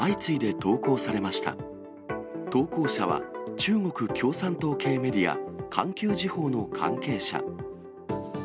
投稿者は中国共産党系メディア、環球時報の関係者。